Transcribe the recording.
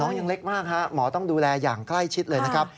ยังเล็กมากฮะหมอต้องดูแลอย่างใกล้ชิดเลยนะครับ